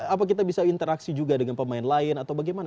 apa kita bisa interaksi juga dengan pemain lain atau bagaimana